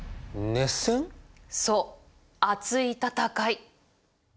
そう熱い戦い！